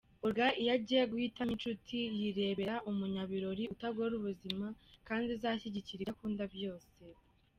Olga iyo agiye guhitamo inshuti, yirebera umunyabirori utagora ubuzima kandi uzashyigikira ibyo akunda byose.